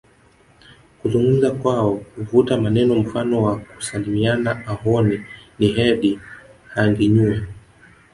Kuzungumza kwao huvuta maneno mfano wa kusalimiana Ahooni niheedi hanginyuwe